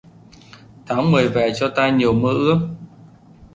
Tháng mười về cho ta nhiều mơ ước